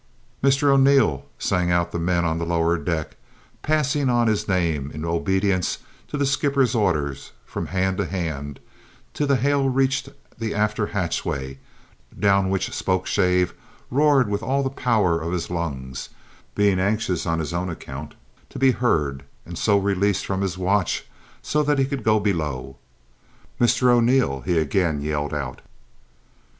"Mr O'Neil?" sang out the men on the lower deck, passing on his name in obedience to the skipper's orders from hand to hand, till the hail reached the after hatchway, down which Spokeshave roared with all the power of his lungs, being anxious on his own account to be heard and so released from his watch so that he could go below. "Mr O'Neil?" he again yelled out.